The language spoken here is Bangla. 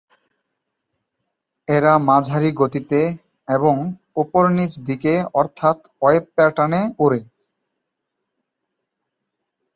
এরা মাঝারি গতিতে এবং ওপর-নীচ দিকে অর্থাৎ ওয়েভ প্যাটার্ন এ ওড়ে।